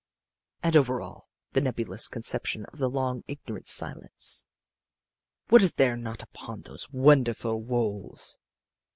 "And over all, the nebulous conception of the long, ignorant silence. "What is there not upon those wonderful walls!